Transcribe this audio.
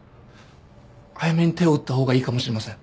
早めに手を打った方がいいかもしれません。